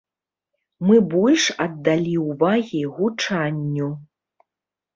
Мы больш аддалі ўвагі гучанню.